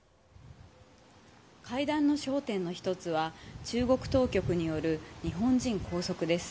会談の焦点の一つは中国当局による日本人拘束です。